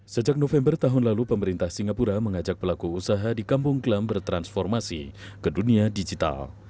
sejak november tahun lalu pemerintah singapura mengajak pelaku usaha di kampung glam bertransformasi ke dunia digital